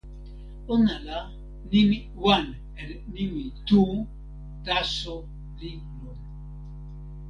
ona la, nimi "wan" en nimi "tu" taso li lon.